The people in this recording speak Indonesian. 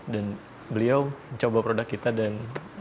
dan beliau mencoba produk kita dan